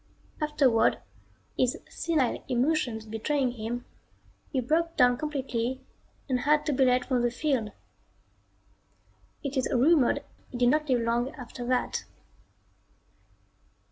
Afterward, his senile emotions betraying him, he broke down completely and had to be led from the field. It is rumored he did not live long after that.